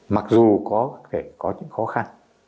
mặc dù có những khó khăn